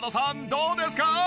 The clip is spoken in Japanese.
どうですか？